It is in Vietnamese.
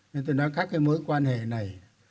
nên tôi nói các mối quan hệ này